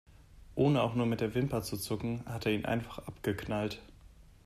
Ohne auch nur mit der Wimper zu zucken, hat er ihn einfach abgeknallt.